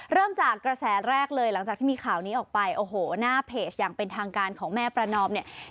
เริ่มจากกระแสแรกเลยหลังจากที่มีข่าวนี้ออกไปโอ้โหหน้าเพจอย่างเป็นทางการของแม่ประนอมเนี่ย